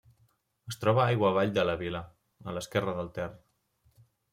Es troba aigua avall de la vila, a l'esquerra del Ter.